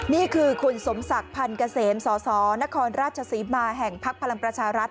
นี่คือคุณสมศักดิ์พันธ์เกษมสสนครราชศรีมาแห่งพักพลังประชารัฐ